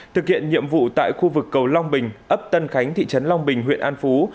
thực hiện nhiệm vụ tại khu vực cầu long bình ấp tân khánh thị trấn long bình huyện an phú